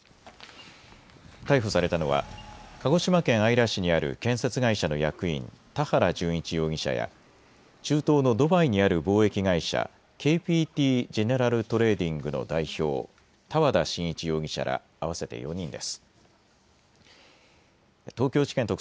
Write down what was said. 逮捕されたのは鹿児島県姶良市にある建設会社の役員、田原順一容疑者や、中東のドバイにある貿易会社、ＫＰＴＧｅｎｅｒａｌＴｒａｄｉｎｇの代表、多和田眞一容疑者ら合わせて４人です。